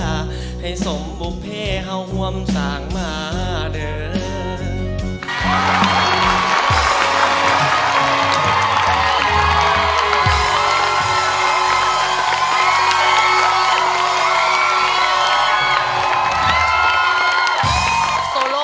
ให้สมบุภิเฮาหว่ำสางมาเดิน